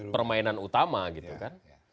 permainan utama gitu kan